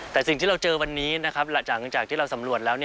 แต่สิ่งที่เราเจอวันนี้นะครับหลังจากที่เราสำรวจแล้ว